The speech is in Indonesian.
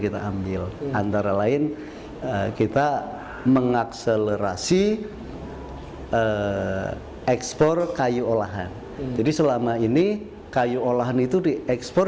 kita ambil antara lain kita mengakselerasi ekspor kayu olahan jadi selama ini kayu olahan itu diekspor